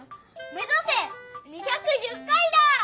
めざせ２１０回だ！